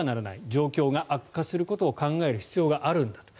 状況を悪化させることを考える必要があるんだと。